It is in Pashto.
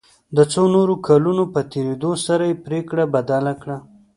د څو نورو کلونو په تېرېدو سره یې پريکړه بدله کړه.